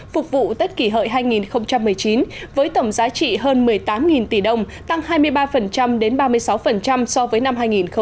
phục vụ tết kỷ hợi hai nghìn một mươi chín với tổng giá trị hơn một mươi tám tỷ đồng tăng hai mươi ba đến ba mươi sáu so với năm hai nghìn một mươi bảy